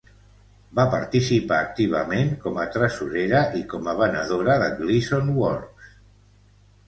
Va participar activament com a tresorera i com a venedora de Gleason Works.